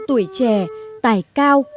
tuổi trẻ tài cao